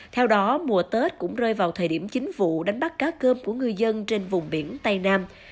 theo đó mùa tết cũng rơi vào thời điểm chính vụ đánh bắt cá cơm của người dân trên vùng biển tây nam